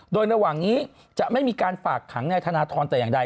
โดยระหว่างนี้จะไม่มีการฝากขังนายธนทรแต่อย่างใด